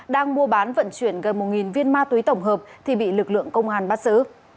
đang mua bán vận chuyển gần một viên ma túy tổng hợp thì bị lực lượng công an bắt giữ